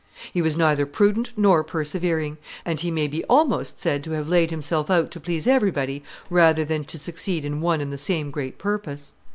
He was neither prudent nor persevering, and he may be almost said to have laid himself out to please everybody rather than to succeed in one and the same great purpose.